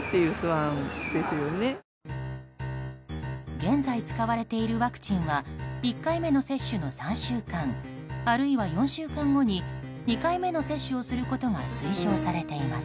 現在使われているワクチンは１回目の接種の３週間あるいは４週間後に２回目の接種をすることが推奨されています。